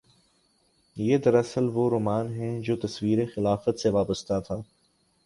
یہ دراصل وہ رومان ہے جو تصور خلافت سے وابستہ تھا۔